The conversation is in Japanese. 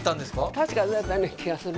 確かそうやったような気がする